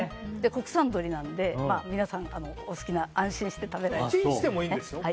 国産鶏なので、皆さん、お好きな安心して食べられる。